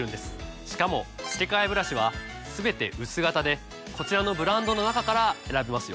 しかも付け替えブラシはすべて薄型でこちらのブランドの中から選べますよ。